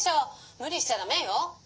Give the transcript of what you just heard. むりしちゃダメよ。